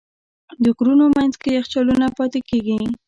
د غرونو منځ کې یخچالونه پاتې کېږي.